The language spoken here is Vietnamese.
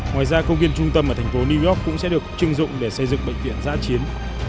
ngoài ra công viên trung tâm ở thành phố new york cũng sẽ được chưng dụng để xây dựng bệnh viện giã chiến